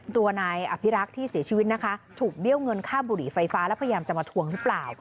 ตัวนายอภิรักษ์ที่เสียชีวิตนะคะถูกเบี้ยวเงินค่าบุหรี่ไฟฟ้าแล้วพยายามจะมาทวงหรือเปล่า